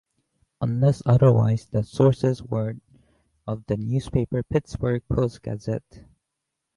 Unless otherwise, the sources were of the newspaper "Pittsburgh Post-Gazette".